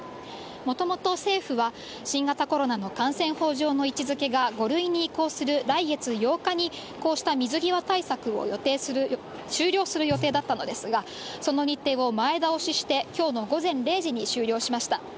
もともと政府は、新型コロナの感染法上の位置づけが５類に移行する来月８日に、こうした水際対策を終了する予定だったのですが、その日程を前倒しして、きょうの午前０時に終了しました。